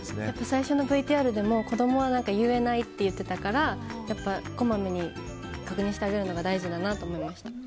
最初のＶＴＲでも子供は言えないって言ってたからこまめに確認してあげるのが大事だなと思いました。